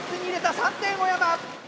３点小山！